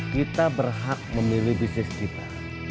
kita berhak memilih bisnis kita